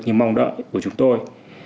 như mong đợi của chúng tôi